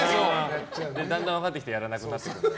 だんだん分かってきてやらなくなってくる。